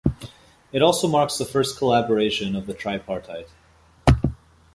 It also marks the first collaboration of the tripartite.